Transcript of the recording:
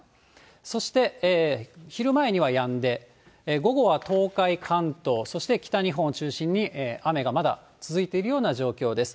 そして、昼前にはやんで、午後は東海、関東、そして北日本を中心に、雨がまだ続いているような状況です。